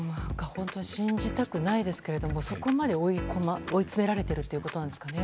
本当に信じたくないですがそこまで追い詰められたということなんですかね。